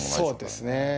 そうですね。